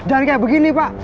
jangan kayak begini pak